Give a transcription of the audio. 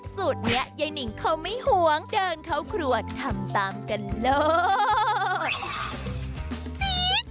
สูตรนี้ยายนิ่งเขาไม่หวงเดินเข้าครัวทำตามกันเลิศ